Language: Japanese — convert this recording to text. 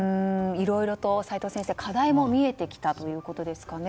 いろいろと齋藤先生課題も見えてきたということですね。